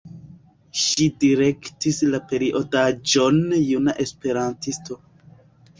Ŝi direktis la periodaĵon „Juna Esperantisto“.